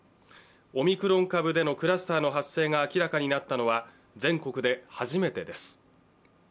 オミクロン株でのクラスターの発生が明らかになったのは全国で初めてです。